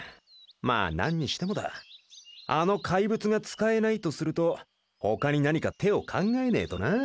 まあ何にしてもだあの怪物が使えないとすると他に何か手を考えねえとなあ。